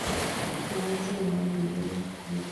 Wazee wale ishirini na wanne.